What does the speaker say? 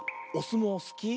もうすき？